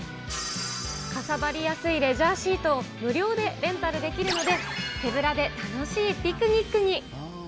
かさばりやすいレジャーシートを無料でレンタルできるので、手ぶらで楽しいピクニックに。